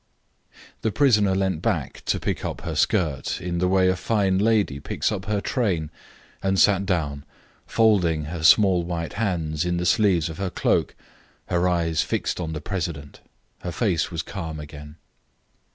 The prisoner leant back to pick up her skirt in the way a fine lady picks up her train, and sat down, folding her small white hands in the sleeves of her cloak, her eyes fixed on the president. Her face was calm again.